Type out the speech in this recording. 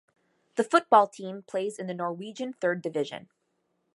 The football team plays in the Norwegian Third Division.